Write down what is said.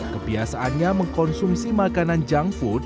kebiasaannya mengkonsumsi makanan junk food